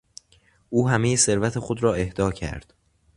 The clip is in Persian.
او همهی ثروت خود را اهدا کرد.